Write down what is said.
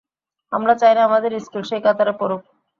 আমরা চাই না আমাদের স্কুল সেই কাতারে পড়ুক।